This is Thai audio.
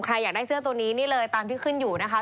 อยากได้เสื้อตัวนี้นี่เลยตามที่ขึ้นอยู่นะคะ